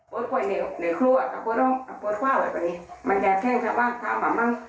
ปลดปล่อยในในครัวอ่ะปลดปล่อยเป็นไงมันจะแท้งถ้าว่าทำหวังบ้าง